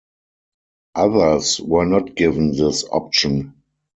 Others were not given this option.